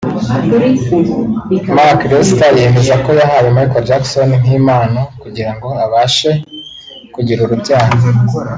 Mark Lester yemeza ko yahaye Michael Jackson nk’impano kugira ngo abashe kugira urubyaro